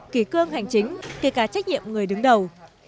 kỳ cương hành chính kể cả trách nhiệm người đứng đầu